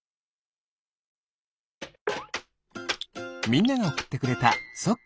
みんながおくってくれたそっ